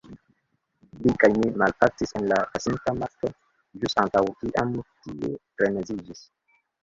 Li kaj mi malpacis en la pasinta Marto, ĵus antaŭ kiam tiu freneziĝis.